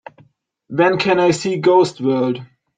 When can I see Ghost World